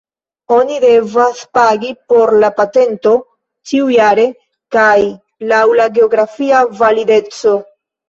Oni devas pagi por la patento ĉiujare kaj laŭ la geografia valideco.